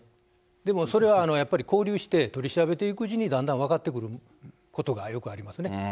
でもそれは、やっぱり勾留して取り調べていくうちに、だんだん分かってくるこ